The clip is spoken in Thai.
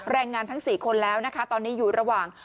แรงงานทั้ง๔คนแล้วนะคะตอนนี้อยู่ระหว่าง